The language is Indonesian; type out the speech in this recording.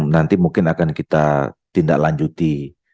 nanti mungkin akan kita tindak lanjuti